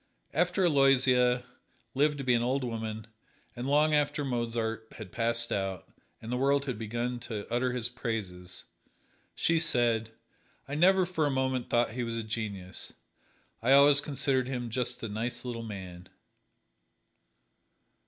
After Aloysia lived to be an old woman, and long after Mozart had passed out, and the world had begun to utter his praises, she said: "I never for a moment thought he was a genius I always considered him just a nice little man."